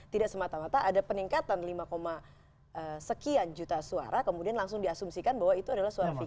tidak semata mata ada peningkatan lima sekian juta suara kemudian langsung diasumsikan bahwa itu adalah suara figu